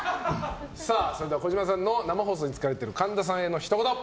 それでは児嶋さんの生放送に疲れている神田さんへのひと言。